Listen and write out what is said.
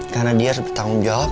karena dia bertanggung jawab